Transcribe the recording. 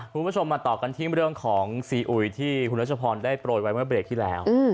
คุณผู้ชมมาต่อกันที่เรื่องของซีอุยที่คุณรัชพรได้โปรยไว้เมื่อเบรกที่แล้ว